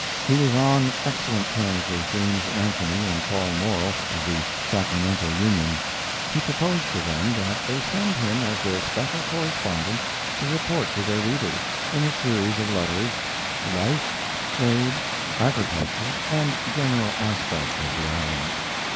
He was on excellent terms with James Anthony and Paul Morrill, of the Sacramento Union; he proposed to them that they send him as their special correspondent to report to their readers, in a series of letters, life, trade, agriculture, and general aspect of the islands.